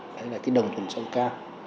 đấy là cái đồng tuần sâu ca